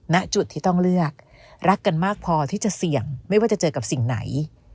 ณจุดที่ต้องเลือกรักกันมากพอที่จะเสี่ยงไม่ว่าจะเจอกับสิ่งไหน